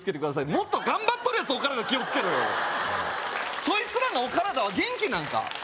もっと頑張っとるやつお体気をつけろよそいつらのお体は元気なんか？